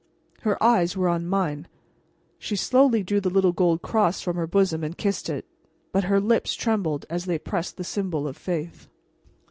Her eyes were on mine. She slowly drew the little gold cross from her bosom and kissed it. But her lips trembled as they pressed the symbol of faith.